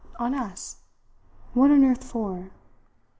"On us? What on earth for?"